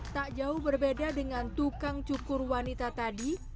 tak jauh berbeda dengan tukang cukur wanita tadi